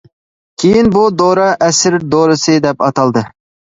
كېيىن بۇ دورا «ئەسىر دورىسى» دەپ ئاتالدى.